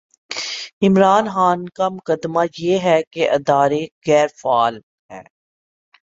عمران خان کا مقدمہ یہ ہے کہ ادارے غیر فعال ہیں۔